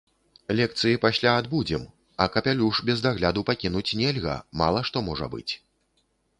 Лекцыі пасля адбудзем, а капялюш без дагляду пакінуць нельга, мала што можа быць.